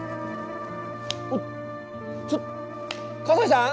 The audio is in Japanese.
おっちょっ西さん！